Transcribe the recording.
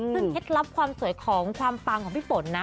ซึ่งเคล็ดลับความสวยของพี่ฝนนะ